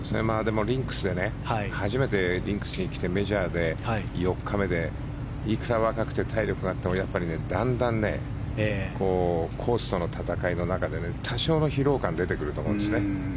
でも初めてリンクスに来てメジャーで４日目でいくら若くて体力があってもだんだんコースとの戦いの中で多少の疲労感が出てくると思うんですね。